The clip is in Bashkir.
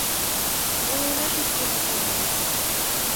Ул уйнаш итте бисәң менән!